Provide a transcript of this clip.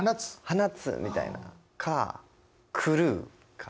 「放つ」みたいなか「狂う」か。